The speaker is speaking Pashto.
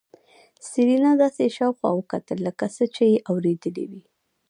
سېرېنا داسې شاوخوا وکتل لکه څه چې يې اورېدلي وي.